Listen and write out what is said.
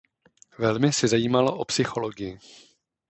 Velmi se zajímal o psychologii.